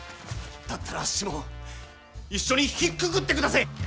だったら、あっしも一緒にひっくくってくだせえ。